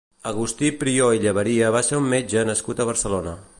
Agustí Prió i Llaberia va ser un metge nascut a Barcelona.